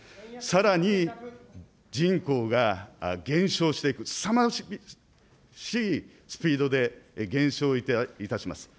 さらに、人口が減少していく、すさまじいスピードで減少いたします。